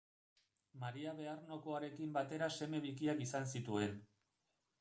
Maria Bearnokoarekin batera seme bikiak izan zituen.